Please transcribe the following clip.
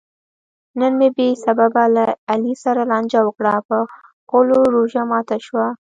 نن مې بې سببه له علي سره لانجه وکړه؛ په غولو روژه ماته شوه.